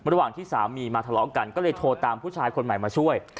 ระหว่างที่สามีมาทะเลาะกันก็เลยโทรตามผู้ชายคนใหม่มาช่วย